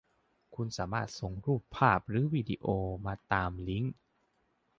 คุณสามารถส่งรูปภาพหรือวีดีโอมาตามลิงค์